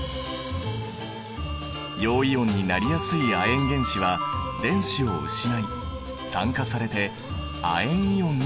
陽イオンになりやすい亜鉛原子は電子を失い酸化されて亜鉛イオンになる。